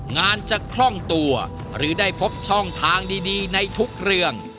งานจะคล่องตัวหรือได้พบช่องทางดีในทุกเรื่อง